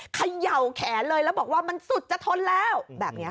เขย่าแขนเลยแล้วบอกว่ามันสุดจะทนแล้วแบบนี้